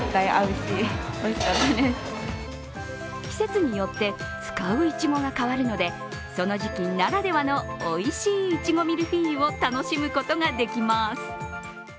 季節によって使ういちごが変わるのでその時期ならではのおいしいいちごミルフィーユを楽しむことができます。